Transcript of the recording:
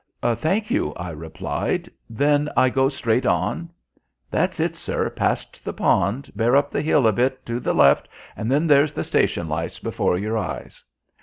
"Thank you," I replied, "then I go straight on?" "That's it, sir; past the pond, bear up the hill a bit to the left, and then there's the station lights before your eyes."